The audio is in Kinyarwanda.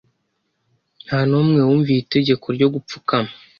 Nta n'umwe wumviye itegeko ryo gupfukama,